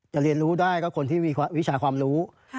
เรียนรู้ได้ก็คนที่มีวิชาความรู้